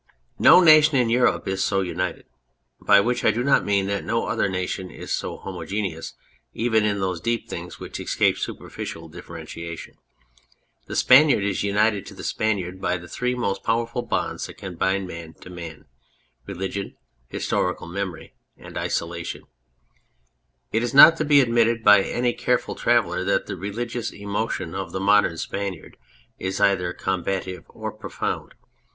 No nation in Europe is so united. By which I do not mean that no other nation is so homogeneous, even in those deep things which escape superficial differentiation. The Spaniard is united to the Spaniard by the three most powerful bonds that can bind man to man religion, historical memory, isola tion. It is not to be admitted by any careful traveller that the religious emotion of the modern Spaniard is either combative or profound.